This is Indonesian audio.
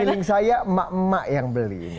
feeling saya emak emak yang beli